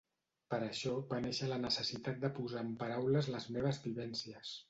Per això va néixer la necessitat de posar en paraules les meves vivències.